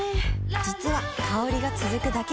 実は香りが続くだけじゃない